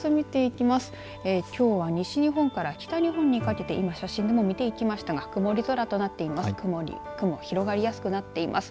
きょうは西日本から北日本にかけて今、写真でも見ていきましたが曇り空となっています。